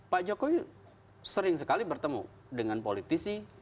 pak jokowi sering sekali bertemu dengan politisi